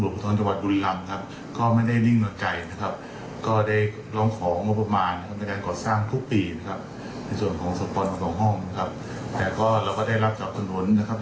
คงจะดูจุดที่เป็นประโยชน์แห่งประเทศชนนะครับ